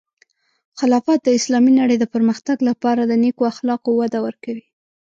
خلافت د اسلامی نړۍ د پرمختګ لپاره د نیکو اخلاقو وده ورکوي.